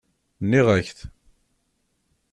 Nɣiɣ-ak-t.